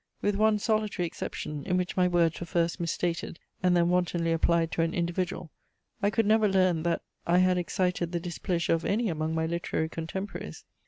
With one solitary exception in which my words were first misstated and then wantonly applied to an individual, I could never learn that I had excited the displeasure of any among my literary contemporaries.